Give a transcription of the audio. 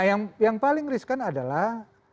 nah yang paling riskan adalah